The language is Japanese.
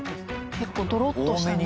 結構ドロッとしたね。